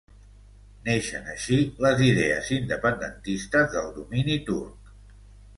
Neixen així les idees independentistes del domini turc.